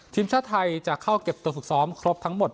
ทีมชาติไทยจะเข้าเก็บตัวฝึกซ้อมครบทั้งหมด